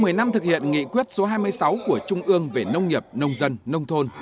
sau một mươi năm thực hiện nghị quyết số hai mươi sáu của trung ương về nông nghiệp nông dân nông thôn